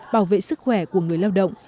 bảo vệ sức khỏe của người lao động